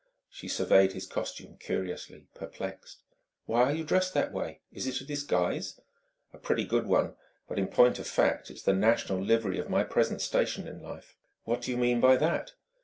She surveyed his costume curiously, perplexed. "Why are you dressed that way? Is it a disguise?" "A pretty good one. But in point of fact, it's the national livery of my present station in life." "What do you mean by that?"